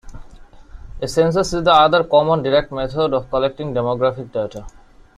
A census is the other common direct method of collecting demographic data.